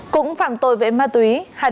cũng phạm tội vệ mạng